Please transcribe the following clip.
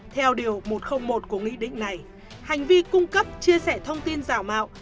theo điều một trăm linh một của nghị định này hành vi cung cấp chia sẻ thông tin giả mạo